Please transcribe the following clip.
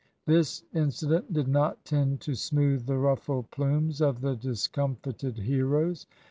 This incident did not tend to smooth the ruffled plumes of the discomfited heroes.